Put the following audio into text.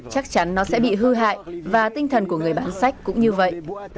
hãy bị hư hại và tinh thần của người bán sách cũng như vậy